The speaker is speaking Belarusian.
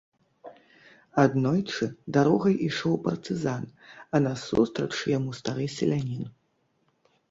Аднойчы дарогай ішоў партызан, а насустрач яму стары селянін.